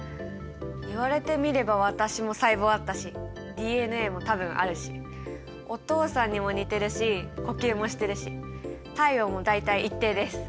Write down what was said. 言われてみれば私も細胞あったしＤＮＡも多分あるしお父さんにも似てるし呼吸もしてるし体温も大体一定です。